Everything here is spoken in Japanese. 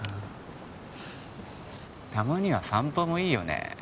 たまには散歩もいいよね